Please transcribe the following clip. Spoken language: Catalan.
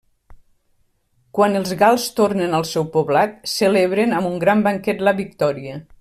Quan els gals tornen al seu poblat celebren amb un gran banquet la victòria.